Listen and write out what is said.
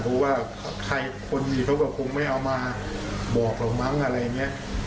เพราะว่าใครคนดีเขาก็คงไม่เอามาบอกหรอกมั้งอะไรอย่างนี้